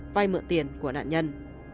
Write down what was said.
vay mượn tiền của nạn nhân